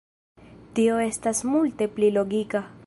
Tio estas multe pli logika!